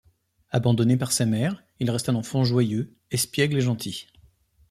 Abandonné par sa mère, il reste un enfant joyeux, espiègle et gentil.